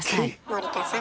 森田さん。